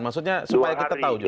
maksudnya supaya kita tahu juga